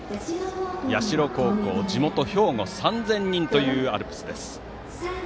社高校、地元・兵庫から３０００人というアルプスです。